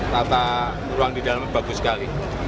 tata ruang di dalam bagus sekali